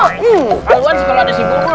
kaluan sih kalo ada si bul bul